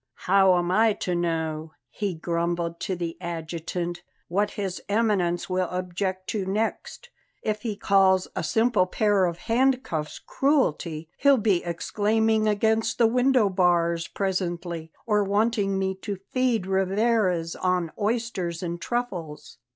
"How am I to know," he grumbled to the adjutant, "what His Eminence will object to next? If he calls a simple pair of handcuffs 'cruelty,' he'll be exclaiming against the window bars presently, or wanting me to feed Rivarez on oysters and truffles.